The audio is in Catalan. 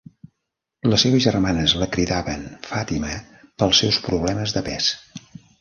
Les seves germanes la cridaven Fàtima pels seus problemes de pes.